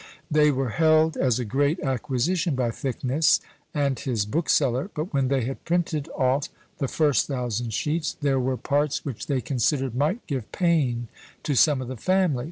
They were held as a great acquisition by Thicknesse, and his bookseller; but when they had printed off the first thousand sheets, there were parts which they considered might give pain to some of the family.